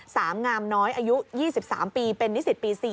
งามน้อยอายุ๒๓ปีเป็นนิสิตปี๔